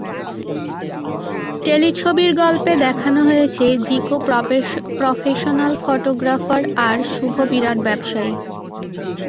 টেলিছবির গল্পে দেখানো হয়েছে জিকো প্রফেশনাল ফটোগ্রাফার আর শুভ বিরাট ব্যবসায়ী।